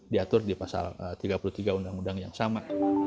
diatur di pasal tiga puluh tiga undang undang yang sama